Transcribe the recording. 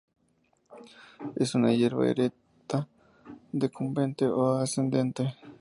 Es una hierba erecta, decumbente o ascendente.